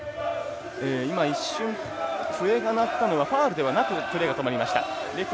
いま一瞬、笛が鳴ったのはファウルではなくプレーが止まりました。